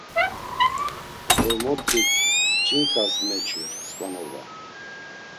Ğormotik ç̌inǩas meçu mskvanoba.